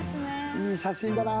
いい写真だな。